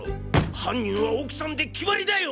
犯人は奥さんで決まりだよ！